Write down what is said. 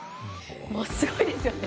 すごいですよね。